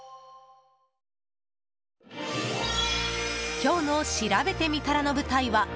今日のしらべてみたらの舞台は。